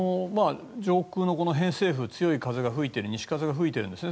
上空の偏西風強い風が吹いている西風が吹いているんです。